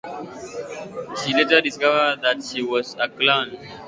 She later discovered that she was a clone.